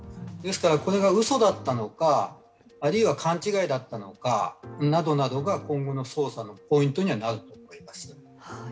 これがうそだったのか、あるいは勘違いだったのかなどなどが今後の捜査のポイントになると思います。